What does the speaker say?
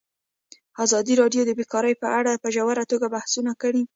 ازادي راډیو د بیکاري په اړه په ژوره توګه بحثونه کړي.